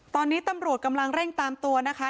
ตอนนี้ตำรวจกำลังเร่งตามตัวนะคะ